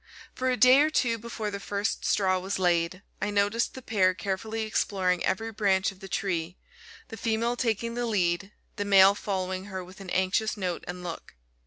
For a day or two before the first straw was laid, I noticed the pair carefully exploring every branch of the tree, the female taking the lead, the male following her with an anxious note and look.